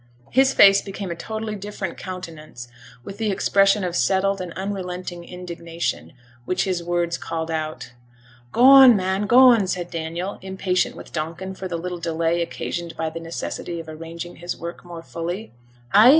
His face became a totally different countenance with the expression of settled and unrelenting indignation, which his words called out. 'G'on, man, g'on,' said Daniel, impatient with Donkin for the little delay occasioned by the necessity of arranging his work more fully. 'Ay!